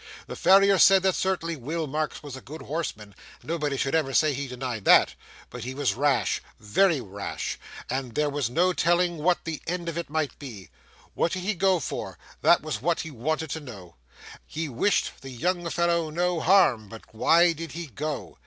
The farrier said that certainly Will Marks was a good horseman, nobody should ever say he denied that: but he was rash, very rash, and there was no telling what the end of it might be; what did he go for, that was what he wanted to know? He wished the young fellow no harm, but why did he go?